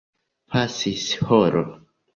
Pasis horo.